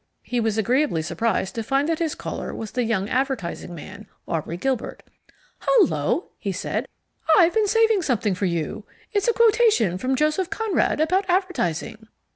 He was agreeably surprised to find that his caller was the young advertising man, Aubrey Gilbert. "Hullo!" he said. "I've been saving something for you. It's a quotation from Joseph Conrad about advertising."